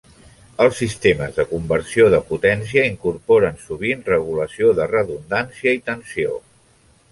Els sistemes de conversió de potència incorporen sovint regulació de redundància i tensió.